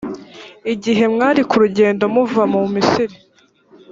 igihe mwari ku rugendo muva mu misiri.